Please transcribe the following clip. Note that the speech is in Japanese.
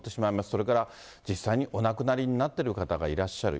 それから実際にお亡くなりになってる方がいらっしゃる。